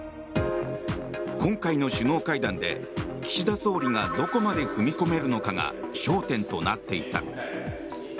今回の首脳会談で、岸田総理がどこまで踏み込めるのかが焦点となっていた。